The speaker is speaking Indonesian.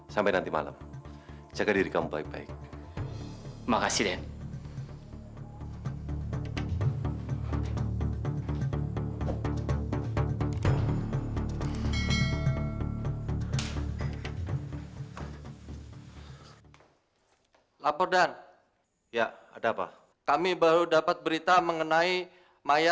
sampai jumpa di video selanjutnya